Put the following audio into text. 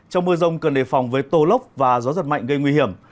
trong mưa rông cần đề phòng với tô lốc và gió giật mạnh gây nguy hiểm